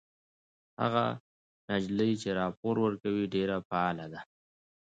هغه نجلۍ چې راپور ورکوي ډېره فعاله ده.